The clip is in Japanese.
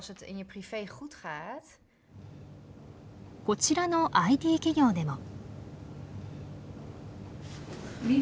こちらのＩＴ企業でも。